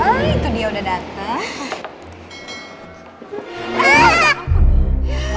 ah itu dia udah dateng